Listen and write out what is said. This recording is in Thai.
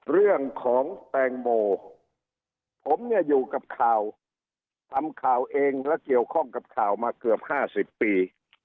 เรื่องของแตงโมผมเนี่ยอยู่กับข่าวทำข่าวเองและเกี่ยวข้องกับข่าวมาเกือบ๕๐ปี